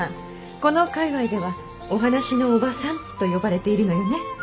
この界隈ではお話のおばさんと呼ばれているのよね。